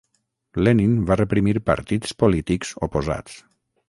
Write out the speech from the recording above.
Lenin va reprimir partits polítics oposats.